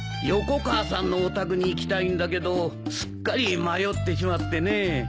横川さんのお宅に行きたいんだけどすっかり迷ってしまってね。